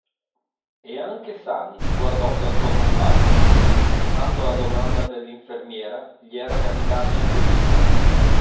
E anche Sani guardò la sua compagna, tanto la domanda dell'infermiera gli era capitata imprevista.